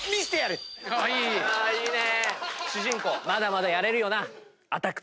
いいね。